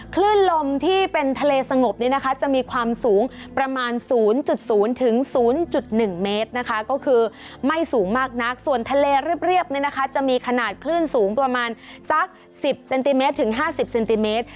คลื่นลมที่เป็นทะเลสงบเนี่ยนะคะจะมีความสูงประมาณ๐๐๑เมตรนะคะก็คือไม่สูงมากนักส่วนทะเลเรียบจะมีขนาดคลื่นสูงประมาณสัก๑๐เซนติเมตรถึง๕๐เซนติเมตร